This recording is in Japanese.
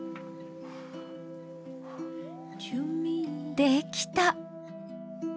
できた！